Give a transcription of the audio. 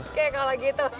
oke kalau gitu